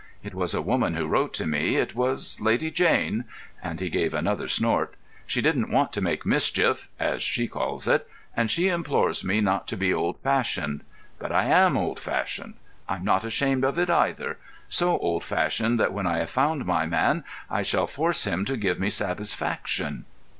It was a woman who wrote to me. It was Lady Jane"—and he gave another snort. "She didn't want to make mischief—as she calls it—and she implores me not to be old fashioned. But I am old fashioned—I'm not ashamed of it either—so old fashioned that when I have found my man I shall force him to give me satisfaction."